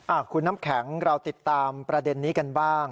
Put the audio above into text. คุณน้ำแข็งเราติดตามประเด็นนี้กันบ้าง